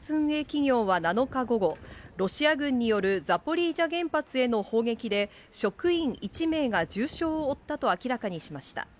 企業は７日午後、ロシア軍によるザポリージャ原発への砲撃で、職員１名が重傷を負ったと明らかにしました。